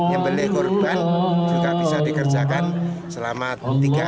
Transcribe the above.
yang beli korban juga bisa dikerjakan selama tiga hari